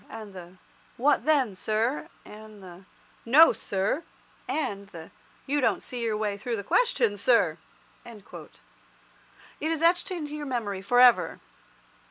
and the 'What then, sir?' and the 'No, sir!' and the 'You don't see your way through the question, sir!'" It is etched into your memory for ever.